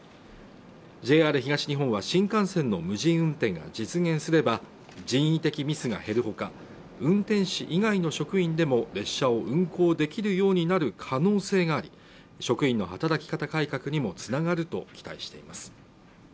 ＪＲ東日本は新幹線の無人運転が実現すれば、人為的ミスが減るほか、運転士以外の職員でも列車を運行できるようになる可能性があり、職員の働き方改革にもつながると期待しています。